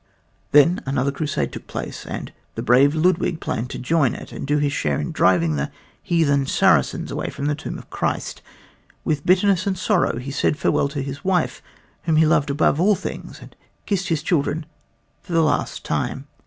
Then another crusade took place and the brave Ludwig planned to join it and do his share in driving the heathen Saracens away from the tomb of Christ. With bitterness and sorrow he said farewell to his wife whom he loved above all things, and kissed his children for the last time.